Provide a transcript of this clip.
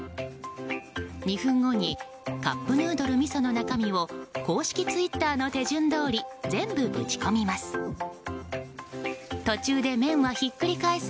２分後にカップヌードル味噌の中身を公式ツイッターの手順どおり全部ぶち込みます。